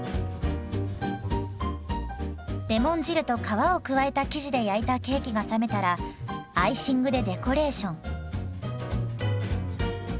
レモン汁と皮を加えた生地で焼いたケーキが冷めたらアイシングでデコレーション。